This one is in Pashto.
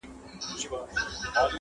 بېګانه به ورته ټول خپل او پردي سي,